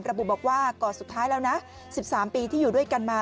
ระบุบอกว่าก่อนสุดท้ายแล้วนะ๑๓ปีที่อยู่ด้วยกันมา